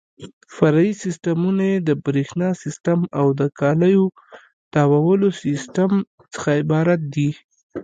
فرعي سیسټمونه یې د برېښنا سیسټم او د کالیو تاوولو سیسټم څخه عبارت دي.